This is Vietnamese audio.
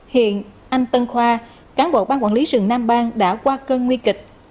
hiện anh tân khoa cán bộ ban quản lý rừng nam bang đã qua cơn nguy kịch